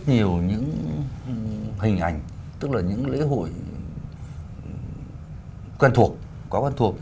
hình ảnh tức là những lễ hội quen thuộc quá quen thuộc